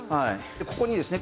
ここにですね